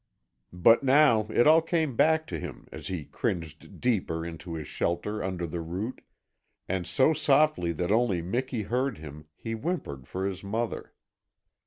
But now it all came back to him as he cringed deeper into his shelter under the root, and so softly that only Miki heard him he whimpered for his mother.